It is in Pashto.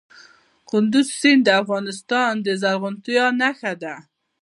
کندز سیند د افغانستان د زرغونتیا نښه ده.